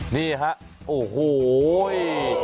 นี่ค่ะโอ้โห้ย